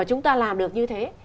chúng ta làm được như thế